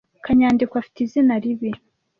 kanyandekwe afite izina ribi.